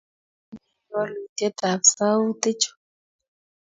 Inye ii walutiet ab sautik chu